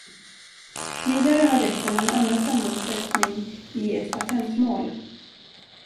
Vidare har rätten en annan sammansättning i ett patentmål.